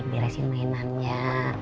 biasa mainan ya